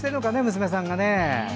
娘さんが。